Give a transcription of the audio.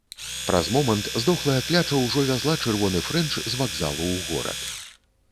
Праз момант здохлая кляча ўжо вязла чырвоны фрэнч з вакзалу ў горад.